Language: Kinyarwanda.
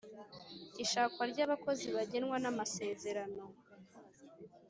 ishakwa ryabakozi bagenwa namasezerano